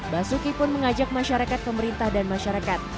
basuki pun mengajak masyarakat pemerintah dan masyarakat